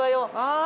ああ！